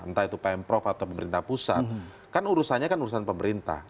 entah itu pemprov atau pemerintah pusat kan urusannya kan urusan pemerintah